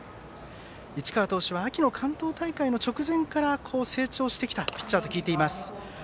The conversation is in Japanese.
市川投手は秋の関東大会の直前から成長してきたピッチャーと聞いています。